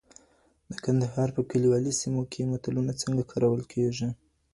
د کندهار په کلیوالي سیمو کي متلونه څنګه کارول کيږي؟